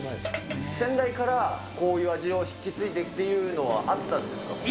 先代から、こういう味を引き継いでっていうのはあったんですか？